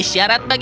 itu isyarat bagiku